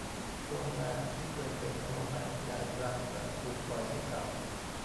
โรงแรมที่เคยเป็นโรงแรมใหญ่กลางเมืองถูกปล่อยให้เก่า